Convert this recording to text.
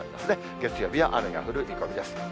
月曜日は雨が降る見込みです。